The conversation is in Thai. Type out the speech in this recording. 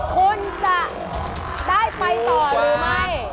คุณจะได้ไปต่อหรือไม่